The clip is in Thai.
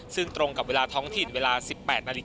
ซึ่งตรงกับเวลาท้องถิ่นเวลา๑๘นาฬิกา